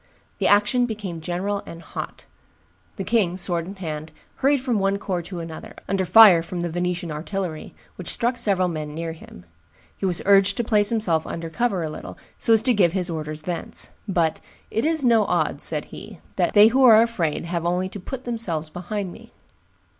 The action became general and hot. The king, sword in hand, hurried from one corps to another, under fire from the Venetian artillery, which struck several men near him. He was urged to place himself under cover a little, so as to give his orders thence; but, "It is no odds," said he; "they who are afraid have only to put themselves behind me."